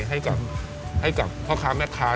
ให้กับพ่อค้าแม่ค้า